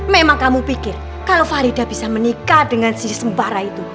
memang kamu pikir kalau farida bisa menikah dengan sisi sembara itu